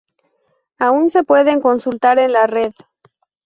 Aún se pueden consultar en la red.